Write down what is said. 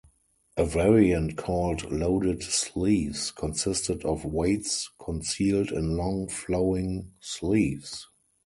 A variant called "loaded sleeves," consisted of weights concealed in long, flowing sleeves.